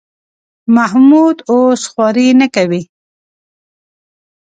محمود اوس خواري نه کوي.